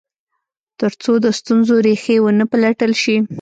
تر څو د ستونزو ریښې و نه پلټل شي.